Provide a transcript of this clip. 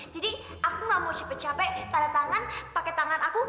jadi aku gak mau siapa siapa yang tanda tangan pake tangan aku